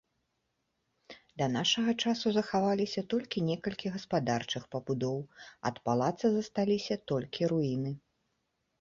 Да нашага часу захаваліся толькі некалькі гаспадарчых пабудоў, ад палаца засталіся толькі руіны.